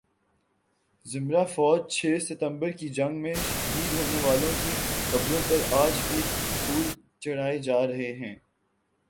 ذمرہ فوج چھ ستمبر کی جنگ میں شہید ہونے والوں کی قبروں پر آج بھی پھول چڑھائے جا رہے ہیں